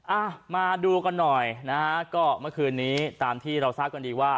อ่ะมาดูกันหน่อยนะฮะก็เมื่อคืนนี้ตามที่เราทราบกันดีว่า